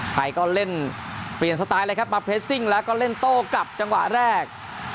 ไทยก็เล่นเปลี่ยนสไตล์เลยครับมาเรสซิ่งแล้วก็เล่นโต้กลับจังหวะแรก